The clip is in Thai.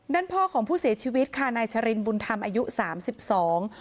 ด้านพ่อของผู้เสียชีวิตค่ะนายชรินบุญธรรมอายุสามสิบสอง